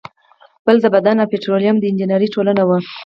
بله د معدن او پیټرولیم د انجینری ټولنه وه.